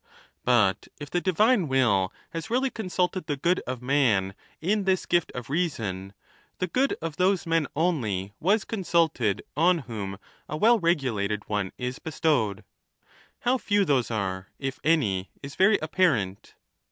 But if the divine will has really consulted the good of man in this gift of reason, the good of those men only was con sulted on whom a well regulated one is bestowed : how few those are, if any, is very apparent.